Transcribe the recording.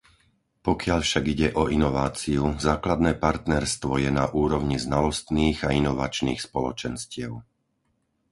Pokiaľ však ide o inováciu, základné partnerstvo je na úrovni znalostných a inovačných spoločenstiev.